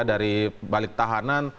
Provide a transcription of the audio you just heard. dari balik tahanan